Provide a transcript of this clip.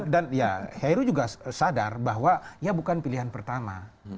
dan ya heru juga sadar bahwa ya bukan pilihan pertama